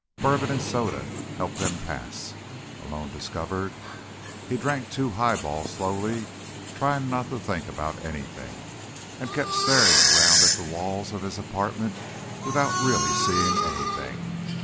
Bourbon and soda helped them pass, Malone discovered; he drank two highballs slowly, trying not to think about anything, and kept staring around at the walls of his apartment without really seeing anything.